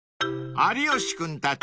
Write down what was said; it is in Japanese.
［有吉君たち